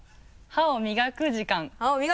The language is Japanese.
歯を磨く時間！